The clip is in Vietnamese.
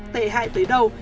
tệ hại tới đâu